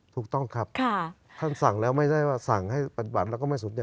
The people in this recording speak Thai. ถูกต้องครับท่านสั่งแล้วไม่ได้ว่าสั่งให้ปฏิบัติแล้วก็ไม่สุดยอด